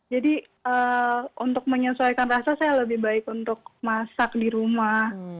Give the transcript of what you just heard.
jadi untuk menyesuaikan rasa saya lebih baik untuk masak di rumah